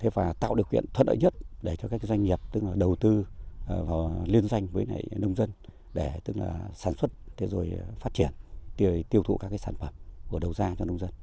và tạo được quyền thuận ợi nhất để cho các doanh nghiệp đầu tư liên doanh với nông dân để sản xuất phát triển tiêu thụ các sản phẩm của đầu gia cho nông dân